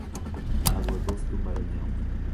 Água Doce do Maranhão